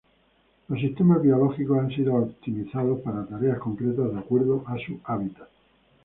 Los sistemas biológicos han sido optimizados para tareas concretas de acuerdo a su hábitat.